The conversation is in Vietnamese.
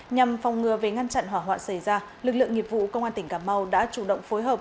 nhằm phòng ngừa về ngăn chặn hỏa hoạn xảy ra lực lượng nghiệp vụ công an tỉnh cà mau đã chủ động phối hợp